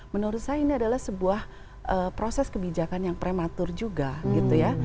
menurut saya ini adalah sebuah proses kebijakan yang prematur juga gitu ya